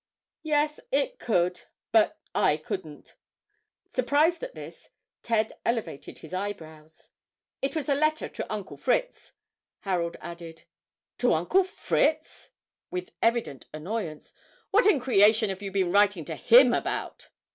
"Yes, it could, but I couldn't." Surprised at this, Ted elevated his eyebrows. "It was a letter to Uncle Fritz," Harold added. "To Uncle Fritz!" with evident annoyance. "What in creation have you been writing to him about?"